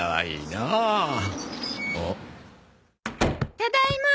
ただいま。